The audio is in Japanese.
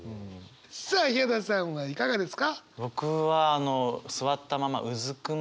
さあヒャダさんはいかがですか？